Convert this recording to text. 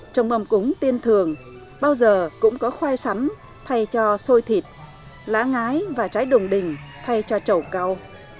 trong mầm cúng tiên thường bao giờ cũng có khoai sắn thay cho xôi thịt lá ngái và trái đồng đình thay cho chẩu cao